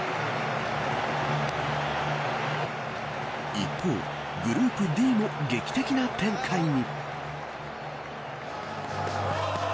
一方、グループＤも劇的な展開に。